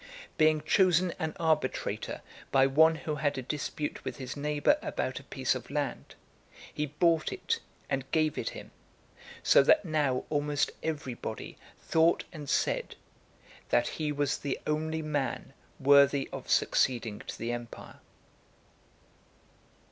Being chosen an arbitrator by one who had a dispute with his neighbour about a piece of land, he bought it, and gave it him; so that now almost every body thought and said, that he was the only man worthy of succeeding to the empire.